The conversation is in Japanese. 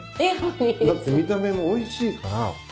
だって見た目もおいしいから。